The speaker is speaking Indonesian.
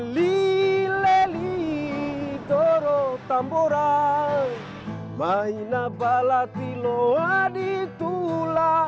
seribu orang orang yang berada di seluruh dunia